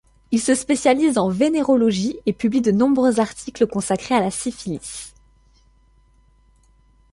Il se spécialise en vénérologie et publie de nombreux articles consacrés à la syphilis.